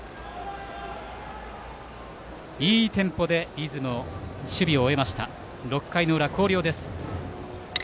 いいテンポで守備を終えた６回の裏、広陵の攻撃です。